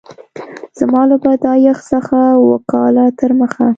زما له پیدایښت څخه اووه کاله تر مخه